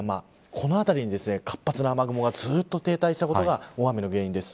この辺りに活発な雨雲がずっと停滞したことが大雨の原因です。